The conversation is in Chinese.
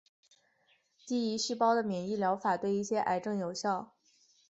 基于细胞的免疫疗法对一些癌症有效。